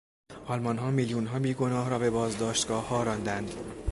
آلمانها میلیونها بیگناه را به بازداشتگاهها راندند.